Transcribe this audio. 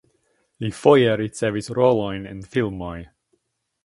Li foje ricevis rolojn en filmoj.